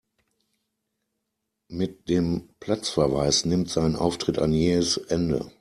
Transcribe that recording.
Mit dem Platzverweis nimmt sein Auftritt ein jähes Ende.